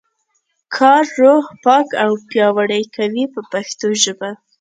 کار روح پاک او پیاوړی کوي په پښتو ژبه.